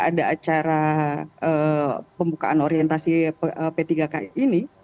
ada acara pembukaan orientasi p tiga ki ini